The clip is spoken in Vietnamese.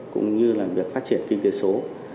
cũng như là việc phát triển kinh tế số